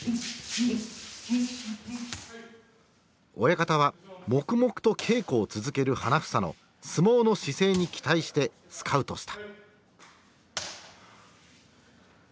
親方は黙々と稽古を続ける花房の相撲の姿勢に期待してスカウトした。